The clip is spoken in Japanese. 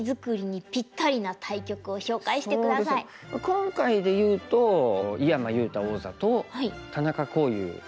今回で言うと井山裕太王座と田中康湧四段かな。